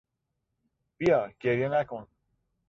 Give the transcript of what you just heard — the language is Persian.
بیا، گریه نکن!